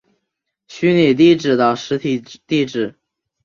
虚拟地址的实体地址。